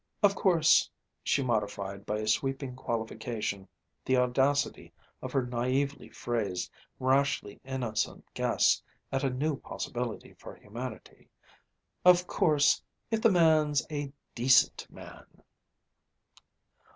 Of course," she modified by a sweeping qualification the audacity of her naïvely phrased, rashly innocent guess at a new possibility for humanity, "of course if the man's a decent man."